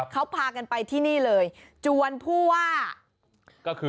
เขาพากันไปที่นี่เลยจวนผู้ว่าก็คือ